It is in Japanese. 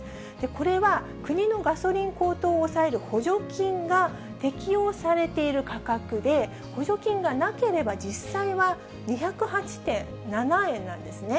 これは国のガソリン高騰を抑える補助金が適用されている価格で、補助金がなければ実際は２０８．７円なんですね。